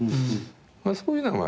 そういうのは。